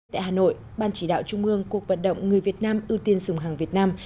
tại hà nội ban chỉ đạo trung mương cuộc vận động người việt nam ưu tiên dùng hàng việt nam